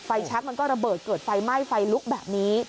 แชคมันก็ระเบิดเกิดไฟไหม้ไฟลุกแบบนี้